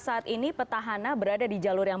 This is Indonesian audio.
saat ini petahana berada di jalur yang